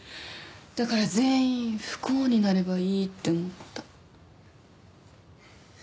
だから全員不幸になればいいって思った。